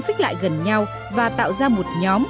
xích lại gần nhau và tạo ra một nhóm